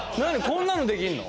こんなのできんの？